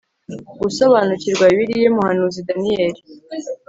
gusobanukirwa bibiliya umuhanuzi daniyeli